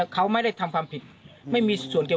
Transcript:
กุมภาอ่ะกุมภาขอโทษที